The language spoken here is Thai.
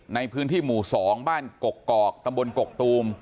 ในพื้นที่หมู่๒บ้านกกอกตำบลกกตูม